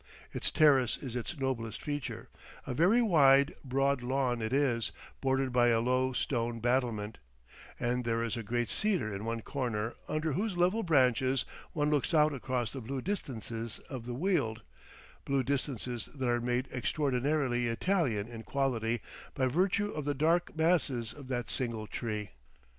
Its terrace is its noblest feature; a very wide, broad lawn it is, bordered by a low stone battlement, and there is a great cedar in one corner under whose level branches one looks out across the blue distances of the Weald, blue distances that are made extraordinarily Italian in quality by virtue of the dark masses of that single tree.